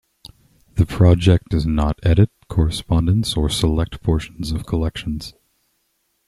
The project does not edit correspondence or select portions of collections.